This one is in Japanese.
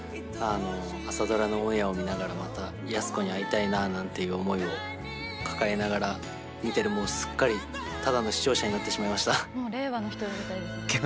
朝ドラのオンエアを見ながらまた、安子に会いたいななんていう思いを抱えながら見てて、もうすっかりただの視聴者になってしまいました。